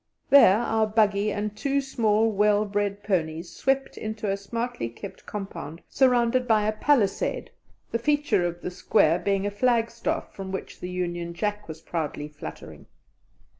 There our buggy and two small, well bred ponies swept into a smartly kept compound surrounded by a palisade, the feature of the square being a flagstaff from which the Union Jack was proudly fluttering.